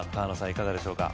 いかがでしょうか？